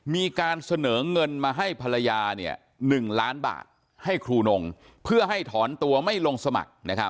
มีการเสนอเงินมาให้ภรรยา๑ล้านบาทให้ครูนงเพื่อให้ถอนตัวไม่ลงสมัคร